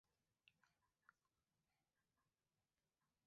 lakini inakuja baada ya Saudi Arabia kuwaua watu themanini na moja